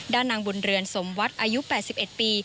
ด้านนางบุญเรือนสมวัตรอายุ๘๑ปี